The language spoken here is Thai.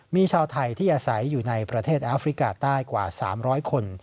มีชาวไทยที่อาศัยอยู่ในประเทศแอฟริกาใต้กว่า๓๐๐คน